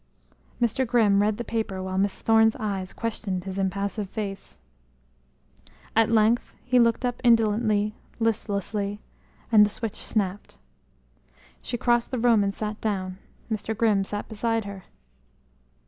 Mr. Grimm read the paper while Miss Thorne's eyes questioned his impassive face. At length he looked up indolently, listlessly, and the switch snapped. She crossed the room and sat down; Mr. Grimm sat beside her.